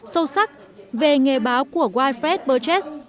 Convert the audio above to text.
sâu sắc về nghề báo của white fred bơ chít